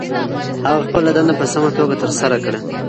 هغه خپله دنده په سمه توګه ترسره کړه.